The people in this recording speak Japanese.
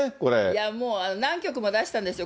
いやもう、何曲も出したんですよ。